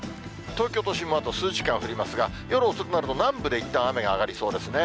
東京都心もあと数時間降りますが、夜遅くなると、南部でいったん、雨が上がりそうですね。